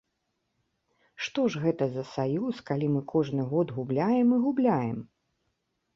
Што ж гэта за саюз, калі мы кожны год губляем і губляем?